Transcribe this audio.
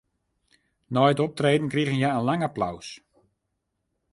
Nei it optreden krigen hja in lang applaus.